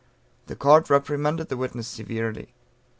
The Court reprimanded the witness severely.